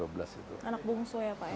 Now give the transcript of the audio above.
anak bungsu ya pak ya